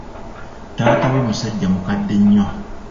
Taata we musajja mukadde nnyo.